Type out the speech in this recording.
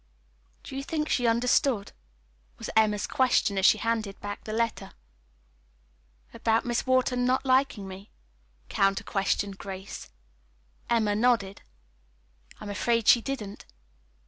"Do you think she understood?" was Emma's question as she handed back the letter. "About Miss Wharton not liking me?" counter questioned Grace. Emma nodded. "I am afraid she didn't."